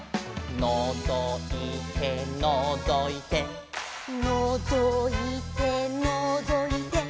「のぞいてのぞいて」「のぞいてのぞいて」